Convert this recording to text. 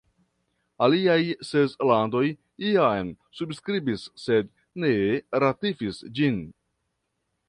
Aliaj ses landoj jam subskribis sed ne ratifis ĝin.